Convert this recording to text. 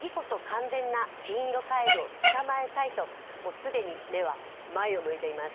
既に目は前を向いています。